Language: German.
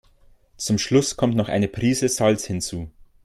Zum Schluss kommt noch eine Prise Salz hinzu.